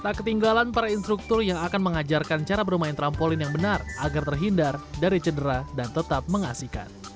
tak ketinggalan para instruktur yang akan mengajarkan cara bermain trampolin yang benar agar terhindar dari cedera dan tetap mengasihkan